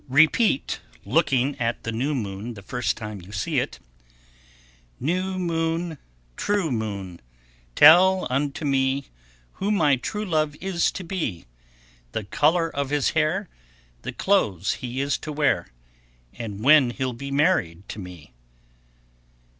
Repeat, looking at the new moon the first time you see it, New moon, true moon, tell unto, me Who my true love is to be; The color of his hair, the clothes he is to wear, And when he'll be married to me.